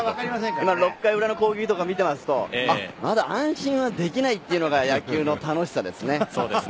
６回裏の攻撃とか見ていますとまだ安心はできないというのが野球の楽しさですね。